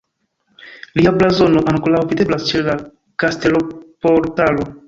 Lia blazono ankoraŭ videblas ĉe la kasteloportalo.